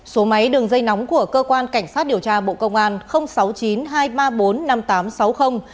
số máy đường dây nóng của cơ quan cảnh sát điều tra bộ công an sáu mươi chín hai trăm ba mươi bốn năm nghìn tám trăm sáu mươi